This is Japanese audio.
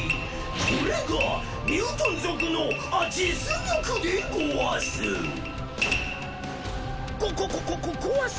これがミュートン族のあ実力でごわす！